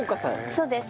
そうです。